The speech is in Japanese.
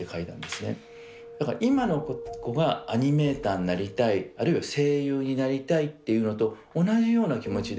だから今の子がアニメーターになりたいあるいは声優になりたいっていうのと同じような気持ちで。